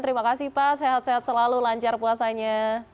terima kasih pak sehat sehat selalu lancar puasanya